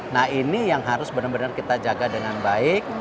nah ini yang harus benar benar kita jaga dengan baik